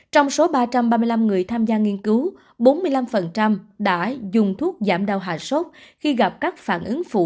trong số ba trăm ba mươi năm người tham gia nghiên cứu bốn mươi năm đã dùng thuốc giảm đau hạ sốt khi gặp các phản ứng phụ